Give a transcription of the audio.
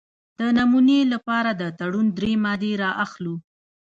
د نمونې لپاره د تړون درې مادې را اخلو.